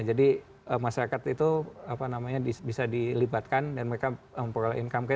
jadi masyarakat itu apa namanya bisa dilibatkan dan mereka memperoleh income